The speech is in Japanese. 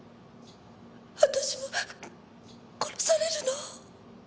私も殺されるの？